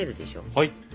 はい。